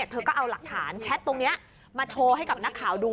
เธอก็เอาหลักฐานแชทตรงนี้มาโชว์ให้กับนักข่าวดู